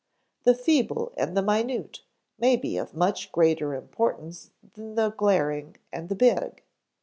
The feeble and the minute may be of much greater importance than the glaring and the big.